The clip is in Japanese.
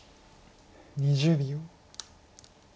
２０秒。